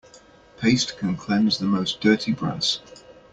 Paste can cleanse the most dirty brass.